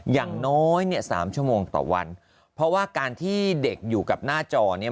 อย่างน้อยเนี่ยสามชั่วโมงต่อวันเพราะว่าการที่เด็กอยู่กับหน้าจอเนี่ย